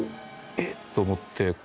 「えっ！」と思って。